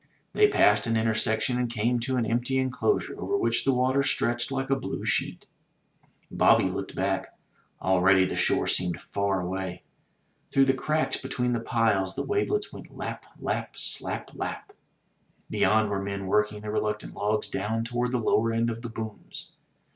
They passed an intersection, and came to an empty enclosure over which the water stretched like a blue sheet. Bobby looked back. Already the shore seemed far away. Through the cracks between the piles the wavelets went lap, lap, slap, lap! Beyond were men working the reluctant logs down toward the lower end of the booms.